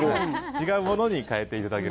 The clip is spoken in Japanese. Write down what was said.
違うものに変えていただければ。